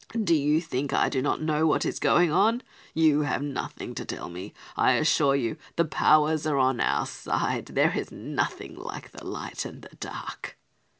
"Do you think I do not know what is going on? You have nothing to tell me; I assure you the powers are on our side. There is nothing like the night and the dark."